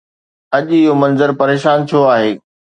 اڄ اهو منظر پريشان ڇو آهي؟